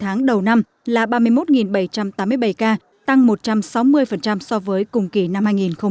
sáu tháng đầu năm là ba mươi một bảy trăm tám mươi bảy ca tăng một trăm sáu mươi so với cùng kỳ năm hai nghìn một mươi tám